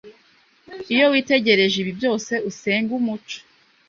Iyo witegereje ibi byose, usenge umuco